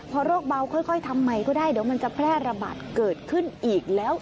พอโรคเบาค่อยทำใหม่ก็ได้เดี๋ยวมันจะแพร่ระบาดเกิดขึ้นอีกแล้ว